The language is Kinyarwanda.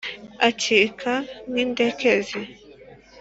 acika nk’indekezi